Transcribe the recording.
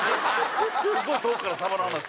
すごい遠くからサバの話。